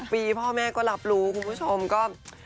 ปีพ่อแม่ก็รับรู้คุณผู้ชมก็